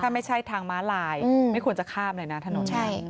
ถ้าไม่ใช่ทางม้าลายไม่ควรจะข้ามเลยนะถนน